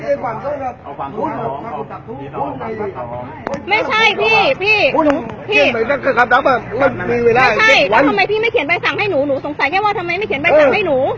ใช่ทำไมพี่ไม่เขียนใบสั่งให้หนูหนูสงสัยแค่ว่าทำไมไม่เขียนใบสั่งให้หนู